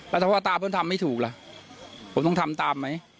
แล้วถ้าพ่อตาเพิ่งทำไม่ถูกล่ะผมต้องทำตามไหม